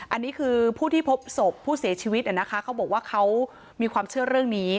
อันนี้คือผู้ที่พบศพผู้เสียชีวิตนะคะเขาบอกว่าเขามีความเชื่อเรื่องนี้